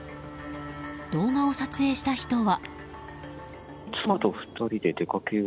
動画を撮影した人は。